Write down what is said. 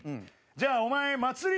じゃあお前祭り